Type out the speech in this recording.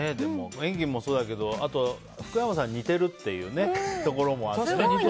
演技もそうだけど、福山さんに似てるってところもあってね。